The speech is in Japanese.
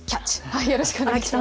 よろしくお願いします。